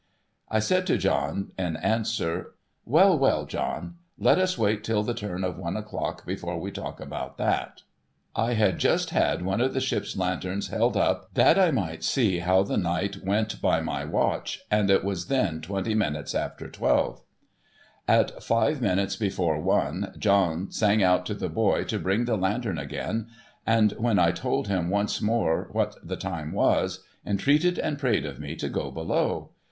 I said to John in answer, ' ^^'ell, well, John ! Lt t us wait till the turn of one o'clock, before we talk about that.' I had just had one of the ship's lanterns held up, that I might see how ^ne /Ii€c/i' ^/ me "" L/X'/'a€'9i c_/^^ ad?/. INTENSE DARKNESS 125 tlie night went by my watch, and it was then twenty minutes after twelve. At fixe minutes before one, John sang out to the boy to bring the lantern again, and when I told him once more what the time was, entreated and prayed of me to go below.